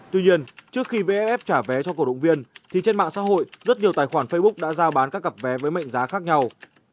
tuy nhiên trước khi vff trả vé cho cổ động viên thì trên mạng xã hội rất nhiều tài khoản facebook đã giao bán các cặp vé với mệnh giá khác nhau